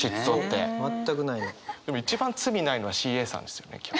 でも一番罪ないのはＣＡさんですよね基本。